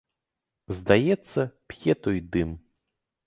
Здаецца, п'е той дым.